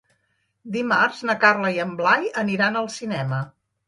Dimarts na Carla i en Blai aniran al cinema.